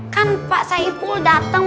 kan pak saipul dateng